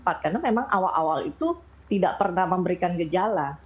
karena memang awal awal itu tidak pernah memberikan gejala